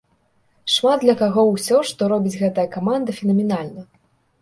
Шмат для каго ўсё, што робіць гэтая каманда, фенаменальна.